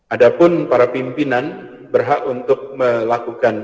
ada pun para pimpinan berhak untuk melakukan